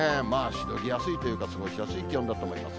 しのぎやすいというか、過ごしやすい気温だと思います。